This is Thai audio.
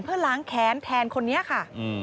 เพื่อล้างแค้นแทนคนนี้ค่ะ